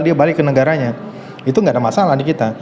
dia balik ke negaranya itu nggak ada masalah di kita